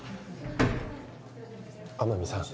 天海さん